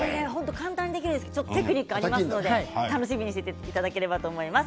簡単にできるんですけれどもテクニックがありますので楽しみにしていただければと思います。